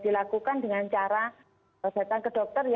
dilakukan dengan cara berhubungan dengan dokter